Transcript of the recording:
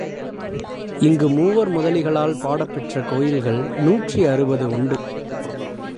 இங்கு மூவர் முதலிகளால் பாடப் பெற்ற கோயில்கள் நூற்றி அறுபது உண்டு.